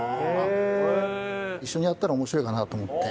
一緒にやったら面白いかなと思って。